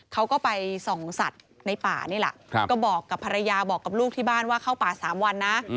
เขาก็ไปส่องสัตว์ในป่านี่แหละก็บอกกับภรรยาบอกกับลูกที่บ้านว่าเข้าป่า๓วันนะ